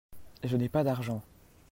Je n'ai pas d'argent.